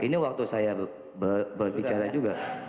ini waktu saya berbicara juga